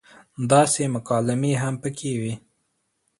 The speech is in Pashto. داسې مکالمې هم پکې وې